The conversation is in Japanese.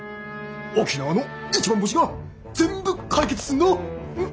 沖縄の一番星が全部解決すんどー！